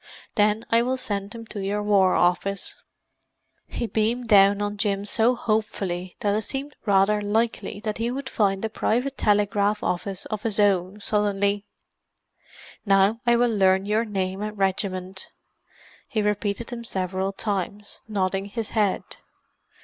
Then I will send them to your War Office." He beamed down on Jim so hopefully that it seemed rather likely that he would find a private telegraph office of his own, suddenly. "Now I will learn your name and regiment." He repeated them several times, nodding his head.